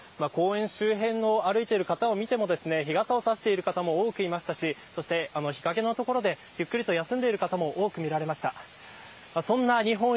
公園周辺を歩いている方を見ても日傘を差している方も多くいましたし日陰の所でゆっくりと休んでいる方も多く見られました。